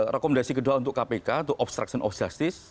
rekomendasi kedua untuk kpk itu obstruction of justice